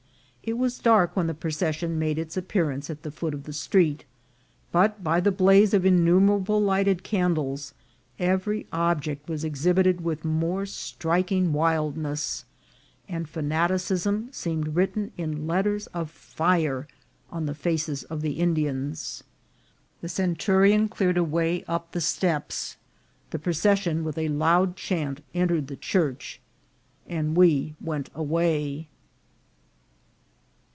It was dark when the procession made its appearance at the foot of the street, but by the blaze of innumera ble lighted candles every object was exhibited with more striking wildness, and fanaticism seemed written in letters of fire on the faces of the Indians. The cen turion cleared a way up the steps ; the procession, with a loud chant, entered the church, and we went away.